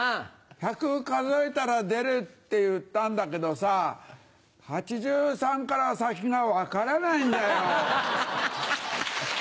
１００数えたら出るって言ったんだけどさ８３から先が分からないんだよ。